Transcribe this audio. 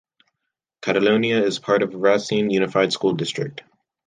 Caledonia is part of Racine Unified School District.